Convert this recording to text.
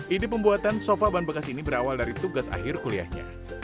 ide pembuatan sofa ban bekas ini berawal dari tugas akhir kuliahnya